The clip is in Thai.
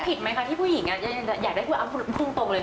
แล้วผิดไหมคะที่ผู้หญิงอยากได้ความภูมิตรงเลย